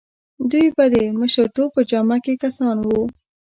دوی به د مشرتوب په جامه کې کسان وو.